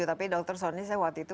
tapi dr sony saya waktu itu